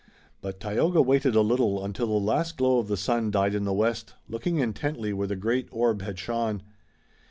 But Tayoga waited a little until the last glow of the sun died in the west, looking intently where the great orb had shone.